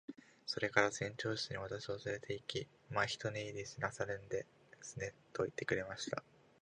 それから船長室に私をつれて行き、「まあ一寝入りしなさるんですね。」と言ってくれました。